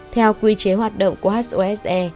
theo quy chế hoạt động của hose